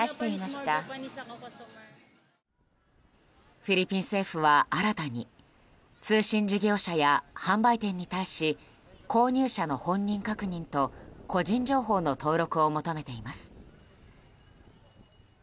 フィリピン政府は新たに通信事業者や販売店に対し購入者の本人確認と個人情報の登録を求めています。